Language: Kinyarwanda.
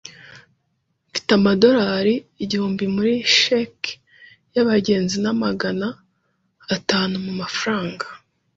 Mfite amadorari igihumbi muri cheque yabagenzi na magana atanu mumafaranga.